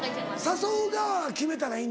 誘う側が決めたらいいんだ。